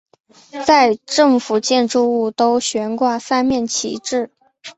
在政府建筑物都悬挂三面旗帜。